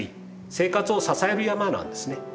生活を支える山なんですね。